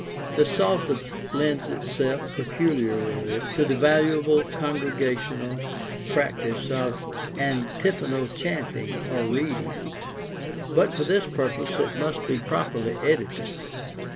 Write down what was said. The Psalter lends itself peculiarly to the valuable congregational practice of antiphonal chanting or reading; but for this purpose it must be properly edited.